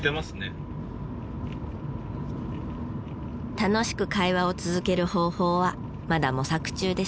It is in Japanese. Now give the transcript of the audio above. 楽しく会話を続ける方法はまだ模索中です。